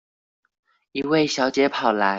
一位小姐跑來